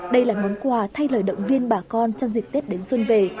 đây là món quà thay lời động viên bà con trong dịp tết đến xuân về